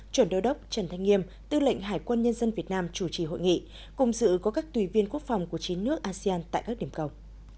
chuẩn đô đốc trần thanh nghiêm tư lệnh hải quân nhân dân việt nam chủ trì hội nghị cùng dự có các tùy viên quốc phòng của chín nước asean tại các điểm cầu